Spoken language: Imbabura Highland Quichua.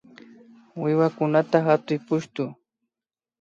Wiwakunata hatuy pushtu